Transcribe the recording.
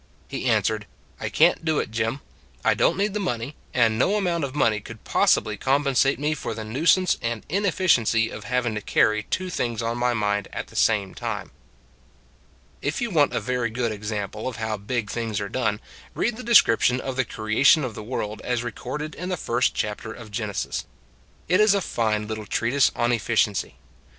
He answered: " I can t do it, Jim. I don t need the money. And no amount of money could possibly compensate me for the nuisance and inefficiency of having to carry two things on my mind at the same time." If you want a very good example of how big things are done, read the descrip tion of the creation of the world as re corded in the first chapter of Genesis. It is a fine little treatise on efficiency.